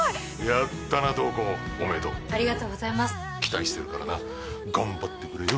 やったな瞳子おめでとうありがとうございます期待してるからな頑張ってくれよ